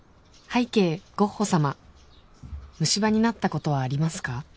拝啓ゴッホ様虫歯になったことはありますか？